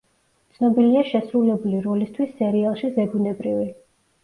ცნობილია შესრულებული როლისთვის სერიალში „ზებუნებრივი“.